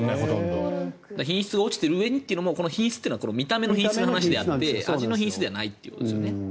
品質が落ちてるうえにというのは見た目の品質であって味の品質ではないということですよね。